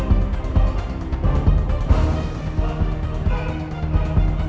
untuk saya yangable lagi